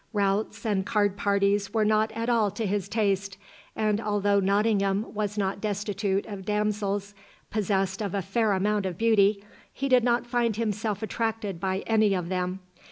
Routs and card parties were not at all to his taste, and although Nottingham was not destitute of damsels possessed of a fair amount of beauty, he did not find himself attracted by any of them.